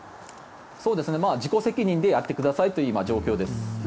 自己責任でやってくださいという今、状況です。